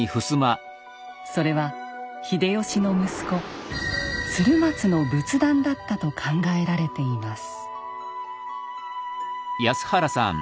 それは秀吉の息子鶴松の仏壇だったと考えられています。